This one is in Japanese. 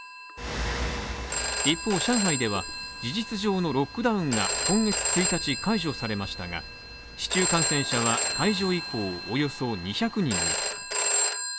一方、上海では事実上のロックダウンが今月１日、解除されましたが、市中感染者は解除以降、およそ２００人に。